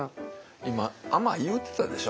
今「甘い」言うてたでしょ。